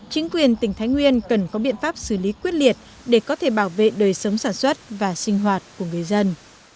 chính quyền tỉnh thái nguyên cần có biện pháp xử lý quyết liệt để có thể bảo vệ đời sống sản xuất và sinh hoạt của người dân